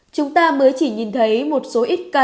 chúng ta mới chỉ nhìn thấy một số ít thông tin